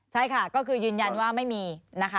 ใช่ค่ะก็คือยืนยันว่าไม่มีนะคะ